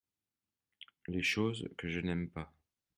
Les choses que je n’aime pas.